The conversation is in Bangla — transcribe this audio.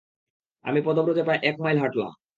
আমি পদব্রজে প্রায় এক মাইল হাটলাম।